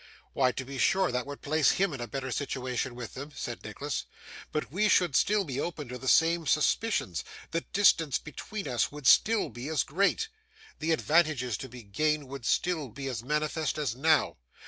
'Why, to be sure, that would place HIM in a better situation with them,' said Nicholas, 'but we should still be open to the same suspicions; the distance between us would still be as great; the advantages to be gained would still be as manifest as now.